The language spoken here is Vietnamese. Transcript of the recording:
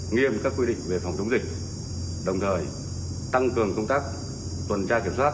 nghiêm các quy định về phòng chống dịch đồng thời tăng cường công tác tuần tra kiểm soát